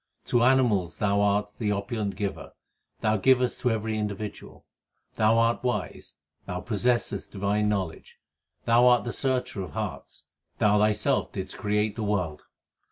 To animals Thou art the opulent Giver l ; Thou givest to every individual. Thou art wise ; Thou possessest divine knowledge ; Thou art the searcher of hearts ; Thou Thyself didst create the world.